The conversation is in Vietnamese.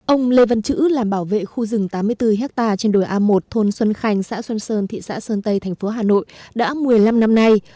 ông lê văn chữ làm bảo vệ khu rừng tám mươi bốn hectare trên đồi a một thôn xuân khanh xã xuân sơn thị xã sơn tây thành phố hà nội đã một mươi năm năm nay